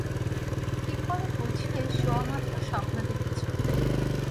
কী করে বুঝলে শোয়ামাত্র স্বপ্ন দেখেছ?